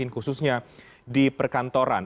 khususnya di perkantoran